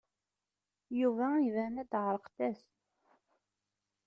Yuba iban-d ɛerqent-as.